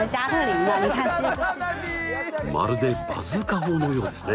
まるでバズーカ砲のようですね！